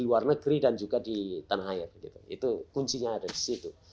di luar negeri dan juga di tanah air itu kuncinya ada di situ